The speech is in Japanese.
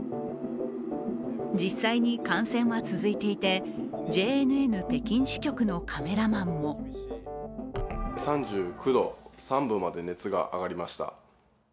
実際に感染は続いていて、ＪＮＮ北京支局のカメラマンも３９度３分まで熱が上がりました。